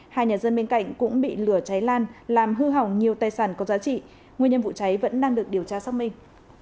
hai nhà dân bên cạnh cũng bị lửa cháy lan làm hư hỏng nhiều tài sản có giá trị nguyên nhân vụ cháy vẫn đang được điều tra xác minh